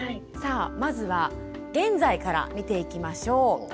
さあまずは現在から見ていきましょう。